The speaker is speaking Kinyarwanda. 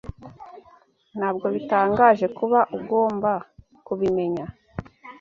Ntabwo bitangaje kuba ugomba kubimenya.